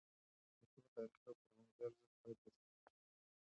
د پښتو تاریخي او فرهنګي ارزښت باید وساتل شي.